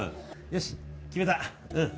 よし決めたうん！